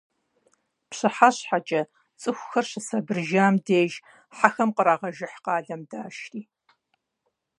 ПщыхьэщхьэкӀэ, цӀыхухэр щысэбырыжам деж, хьэхэм кърагъэжыхь къалэм дашри.